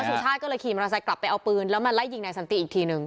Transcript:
สุชาติก็เลยขี่มอเตอร์ไซค์กลับไปเอาปืนแล้วมาไล่ยิงนายสันติอีกทีนึง